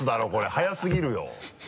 速すぎるよ。